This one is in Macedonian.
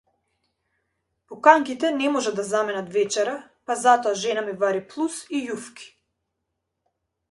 Пуканките не можат да заменат вечера, па затоа жена ми вари плус и јуфки.